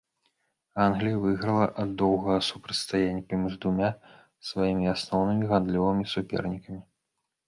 Англія выйграла ад доўгага супрацьстаяння паміж двума сваімі асноўнымі гандлёвымі супернікамі.